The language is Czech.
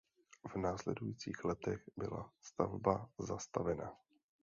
V následujících letech byla stavba zastavena.